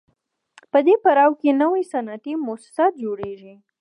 په دې پړاو کې نوي صنعتي موسسات جوړېږي